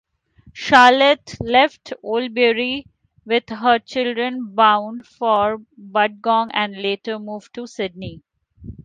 Charlotte left Oldbury with her children bound for Budgong and later moved to Sydney.